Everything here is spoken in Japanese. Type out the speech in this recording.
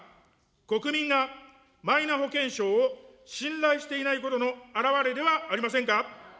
国民がマイナ保険証を信頼していないことの表れではありませんか。